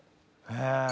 へえ。